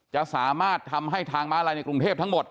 จะสามารถทำให้ทางม้าลายในกรุงเทพทั้งหมด